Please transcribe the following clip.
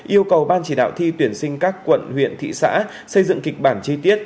yêu cầu ban chỉ đạo thi tuyển sinh các quận huyện thị xã xây dựng kịch bản chi tiết